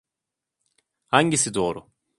Hangisi doğru?